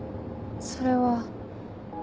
それは。